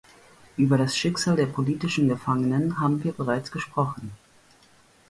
Über das Schicksal der politischen Gefangenen haben wir bereits gesprochen.